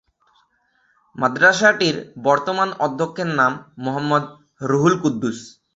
মাদ্রাসাটির বর্তমান অধ্যক্ষের নাম মোহাম্মদ রুহুল কুদ্দুস।